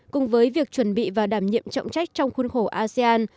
cùng với việc chuẩn bị và đảm nhiệm trọng trách trong khuôn khổ asean